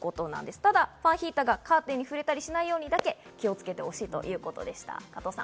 ただファンヒーターがカーテンに触れたりしないようにだけ、気をつけてほしいということでした。